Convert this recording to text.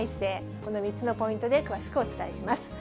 この３つのポイントで詳しくお伝えします。